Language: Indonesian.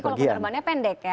kalau penerbangannya pendek ya